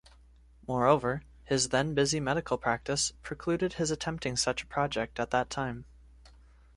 Moreover, his then-busy medical practice precluded his attempting such a project at that time.